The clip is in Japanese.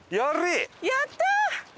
やったー！